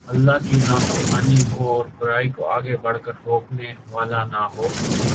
اللہ کی نافرمانی ہو اور برائی کوآگے بڑھ کر روکنے والا نہ ہو